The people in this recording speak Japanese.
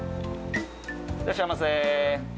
いらっしゃいませ。